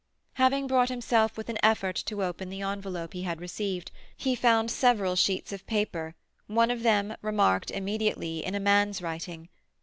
Having brought himself with an effort to open the envelope he had received, he found several sheets of notepaper, one of them, remarked immediately, in a man's writing.